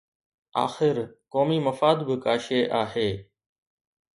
آخر قومي مفاد به ڪا شيءِ آهي.